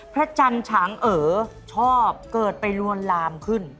พระจันทร์ฉางเอ๋อชอบเกิดไปลวนลามขึ้น